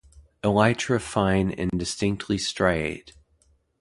Elytra fine and distinctly striate.